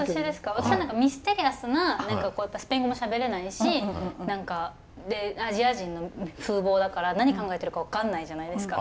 私はミステリアスな何かこうスペイン語もしゃべれないしでアジア人の風貌だから何考えてるか分かんないじゃないですか。